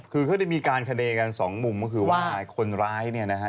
คือเขาได้มีการคาเดย์กันสองมุมก็คือว่าคนร้ายเนี่ยนะฮะ